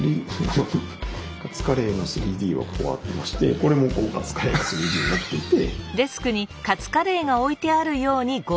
カツカレーの３Ｄがこうありましてこれもカツカレーの３Ｄになっていて。